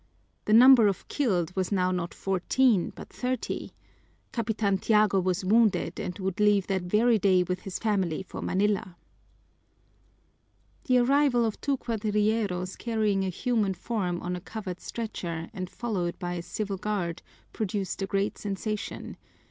The number of killed was now not fourteen but thirty. Capitan Tiago was wounded and would leave that very day with his family for Manila. The arrival of two cuadrilleros carrying a human form on a covered stretcher and followed by a civil guard produced a great sensation.